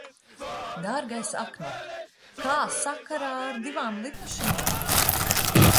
Dārgais Aknot, kā sakarā ar divām lidmašīnām?